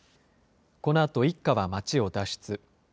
このあと、一家は街を脱出。